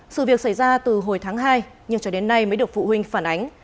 sự việc xảy ra từ hồi tháng hai nhưng cho đến nay mới được phụ huynh phản ánh